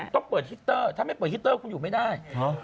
ต้องเปิดฮิตเตอร์ถ้าไม่เปิดฮิตเตอร์คุณอยู่ไม่ได้